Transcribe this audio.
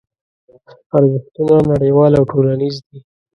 ارزښتونه نړیوال او ټولنیز دي.